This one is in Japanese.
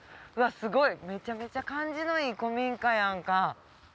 すごい、めちゃめちゃ感じのいい古民家やんか。